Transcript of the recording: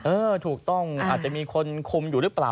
เออถูกต้องอาจจะมีคนคุมอยู่หรือเปล่า